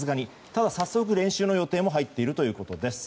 ただ早速、練習の予定も入っているということです。